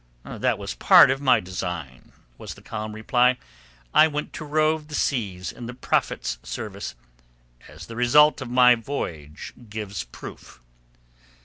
"That was but a part of my design," was the calm reply. "I went to rove the seas in the Prophet's service, as the result of my voyage gives proof."